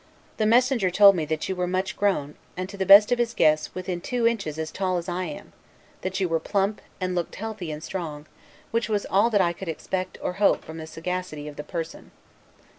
The messenger told me that you were much grown, and, to the best of his guess, within two inches as tall as I am; that you were plump, and looked healthy and strong; which was all that I could expect, or hope, from the sagacity of the person.